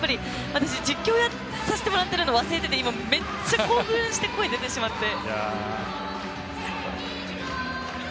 実況させてもらってるの忘れてて今めっちゃ興奮して声出てしまって。